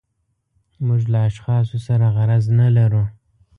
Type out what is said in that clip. موږ له اشخاصو سره غرض نه لرو.